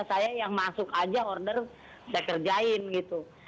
saya yang masuk aja order saya kerjain gitu